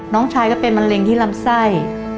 น้องชายก็เป็นมะเร็งที่ลำไส้